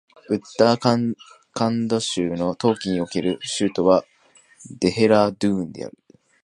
ウッタラーカンド州の冬季における州都はデヘラードゥーンである